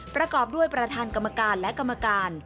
ประกอบด้วยประธานกรรมการและกรรมการ